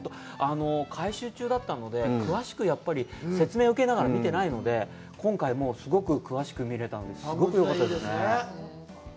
改修中だったので、詳しく説明を受けながら見てないので、今回は、すごく詳しく見れたのですごくよかったですねぇ。